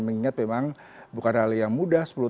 mengingat memang bukan hal yang mudah